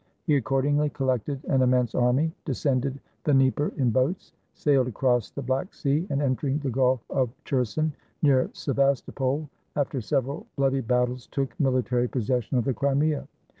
He accordingly collected an immense army, descended the Dnieper in boats, sailed across the Black Sea, and entering the Gulf of Cherson, near Sevastopol, after several bloody battles took mili tary possession of the Crimea.